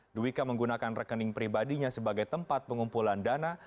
duwika menggunakan rekening pribadinya sebagai tempat pengumpulan dana